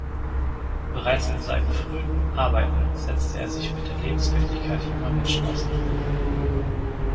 Bereits in seinen frühen Arbeiten setzte er sich mit der Lebenswirklichkeit junger Menschen auseinander.